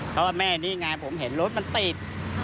เพราะว่าแม่นี่ไงผมเห็นรถมันติด